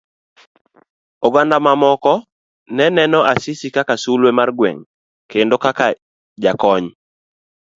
Oganda mamoko neneno Asisi kaka sulwe mar gweng kendo kaka jakony.